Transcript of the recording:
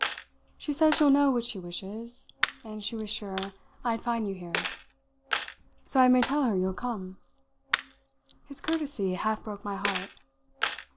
"She says you'll know what she wishes and she was sure I'd find you here. So I may tell her you'll come?" His courtesy half broke my heart.